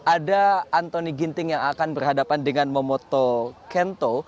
ada antoni ginting yang akan berhadapan dengan momoto kento